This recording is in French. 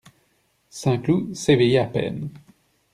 Saint-Cloud s'éveillait à peine.